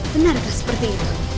benarkah seperti itu